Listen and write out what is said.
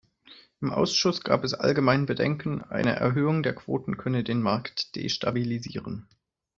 Im Ausschuss gab es allgemein Bedenken, eine Erhöhung der Quoten könne den Markt destabilisieren.